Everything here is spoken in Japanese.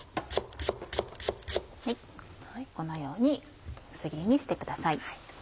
このように薄切りにしてください。